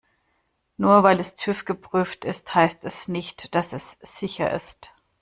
Nur weil es TÜV-geprüft ist, heißt es nicht, dass es sicher ist.